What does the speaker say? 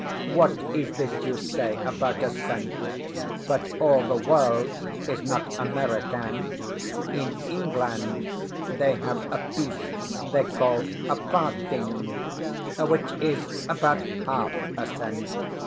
What is this you say about a cent? But all the world is not American. In England they have a piece they call a farthing, which is about half a cent.